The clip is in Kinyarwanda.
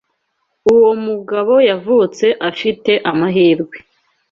Uwo mugabo yavutse afite amahirwe.